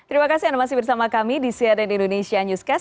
terima kasih anda masih bersama kami di cnn indonesia newscast